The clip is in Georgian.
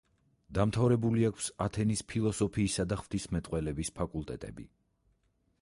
დამთავრებული აქვს ათენის ფილოსოფიისა და ღვთისმეტყველების ფაკულტეტები.